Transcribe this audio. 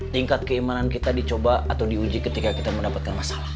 tingkat keimanan kita dicoba atau diuji ketika kita mendapatkan masalah